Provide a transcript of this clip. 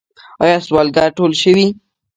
آیا سوالګر ټول شوي؟